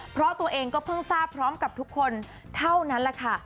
เพราะตัวเองก็เพิ่งทราบพร้อมกับทุกคนเท่านั้นแหละค่ะ